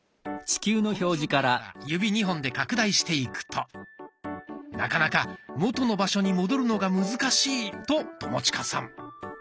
この状態から指２本で拡大していくとなかなか元の場所に戻るのが難しいと友近さん。